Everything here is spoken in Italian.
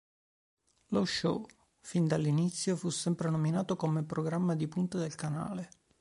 Lo show, fin dall'inizio, fu sempre nominato come programma di punta del canale.